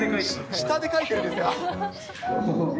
下で描いてるんですか。